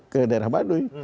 ke daerah baduy